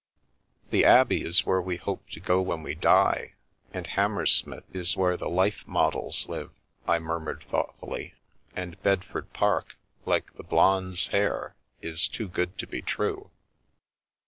" The Abbey is where we hope to go when we die, and Hammersmith is where the life models live," I murmured thoughtfully, "and Bedford Park, like the Blonde's hair, is too good to be true."